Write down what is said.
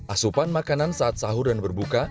asupan makanan saat sahur dan berbuka